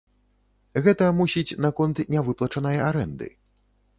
Гэта, мусіць, наконт нявыплачанай арэнды.